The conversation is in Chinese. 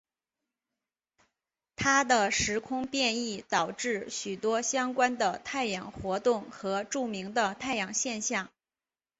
他的时空变异导致许多相关的太阳活动和著名的太阳现象。